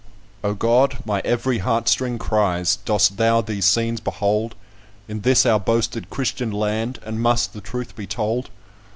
"O God! my every heart string cries, Dost thou these scenes behold In this our boasted Christian land, And must the truth be told?